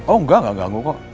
oh enggak enggak ganggu kok